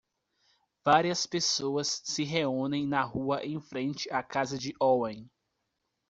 Várias pessoas se reúnem na rua em frente à casa de Owen.